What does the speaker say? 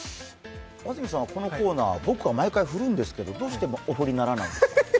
さんはこのコーナー、僕は毎回振るんですけど、どうしてお振りにならないんですか。